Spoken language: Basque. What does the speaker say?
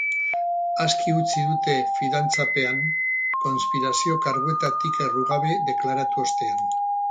Aske utzi dute fidantzapean, konspirazio karguetatik errugabe deklaratu ostean.